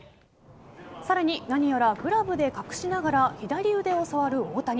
さらに何やらグラブで隠しながら左腕を触る大谷。